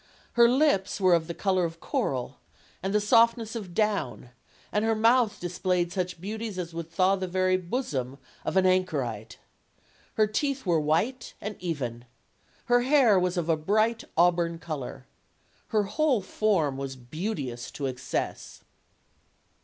Her lips were of the color of coral and the softness of down and her mouth displayed such beauties as would thaw the very bosom of an anchorite. Her teeth were white and even. Her hair was of a bright auburn color. Her whole form was beauteous to excess.